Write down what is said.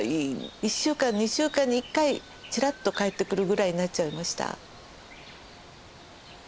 １週間２週間に１回ちらっと帰ってくるぐらいになっちゃいました。